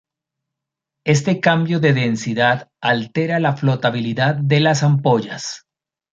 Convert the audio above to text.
Este cambio de densidad altera la flotabilidad de las ampollas.